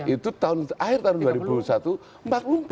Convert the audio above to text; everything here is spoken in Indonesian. itu akhir tahun dua ribu satu